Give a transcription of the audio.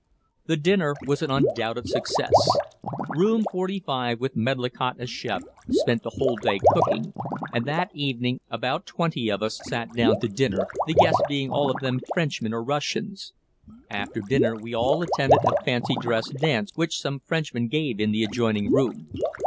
The dinner was an undoubted success. Room 45, with Medlicott as chef, spent the whole day cooking, and that evening about twenty of us sat down to dinner the guests being all of them Frenchmen or Russians. After dinner we all attended a fancy dress dance which some Frenchmen gave in the adjoining room.